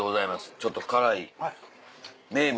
ちょっと辛い名物。